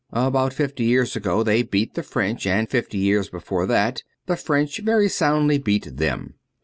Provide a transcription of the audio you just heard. About fifty years ago they beat the French and fifty years before that the French very soundly beat them.